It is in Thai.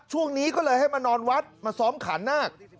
ช่วงนี้ก็เลยให้มานอนวัดมาซ้อมขานนาค